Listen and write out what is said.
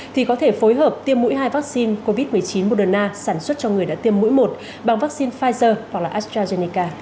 thì có thể phối hợp tiêm mũi hai vaccine covid một mươi chín moderna sản xuất cho người đã tiêm mũi một bằng vaccine pfizer hoặc là astrazeneca